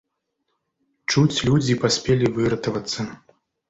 Чуць людзі паспелі выратавацца.